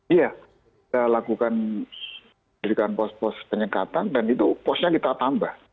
iya kita lakukan pendidikan pos pos penyekatan dan itu posnya kita tambah